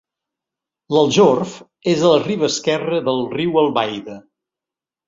L'Aljorf és a la riba esquerra del riu Albaida.